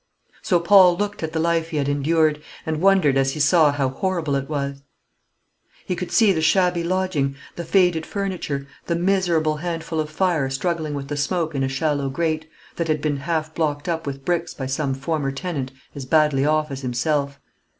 So Paul looked at the life he had endured, and wondered as he saw how horrible it was. He could see the shabby lodging, the faded furniture, the miserable handful of fire struggling with the smoke in a shallow grate, that had been half blocked up with bricks by some former tenant as badly off as himself.